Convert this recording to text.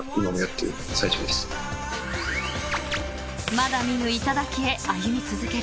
［まだ見ぬ頂へ歩み続ける］